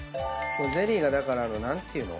ゼリーがだから何ていうの？